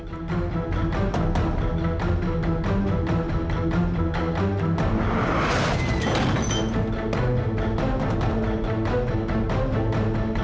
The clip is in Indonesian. kita harus ke rumah